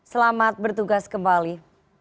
selamat bertugas kembali